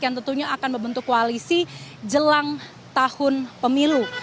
yang tentunya akan membentuk koalisi jelang tahun pemilu